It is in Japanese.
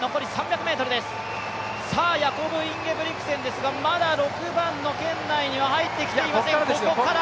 ヤコブ・インゲブリクセンですが、まだ６番の圏内には入ってきていません。